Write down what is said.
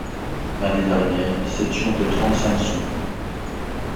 L'année dernière, c'étions que trente-cinq sous.